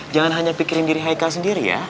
jangan hanya pikirin diri haika sendiri ya